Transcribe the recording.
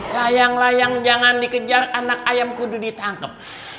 layang layang jangan dikejar anak ayam kudu ditangkap